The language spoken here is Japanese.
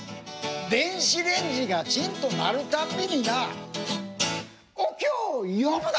電子レンジがチンと鳴るたんびになお経を読むな！